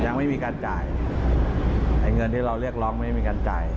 ยังไม่มีการจ่ายไอ้เงินที่เราเรียกร้องไม่มีการจ่าย